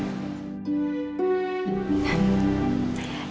ya aku juga